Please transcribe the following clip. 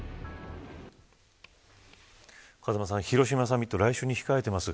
風間さん、広島サミット来週に控えています。